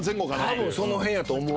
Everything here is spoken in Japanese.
多分その辺やと思う。